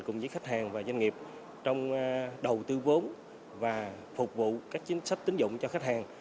cùng với khách hàng và doanh nghiệp trong đầu tư vốn và phục vụ các chính sách tính dụng cho khách hàng